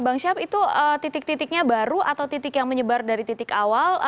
bang syaf itu titik titiknya baru atau titik yang menyebar dari titik awal